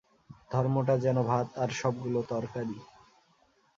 ধর্মটা যেন ভাত, আর সবগুলো তরকারি।